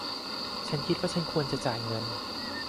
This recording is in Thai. ฉันคิดว่าฉันควรจะจ่ายเงิน